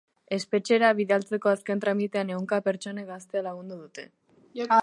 Espetxera bidaltzeko azken tramitean ehunka pertsonek gaztea lagundu dute.